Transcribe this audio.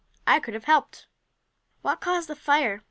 "I could have helped." "What caused the fire?"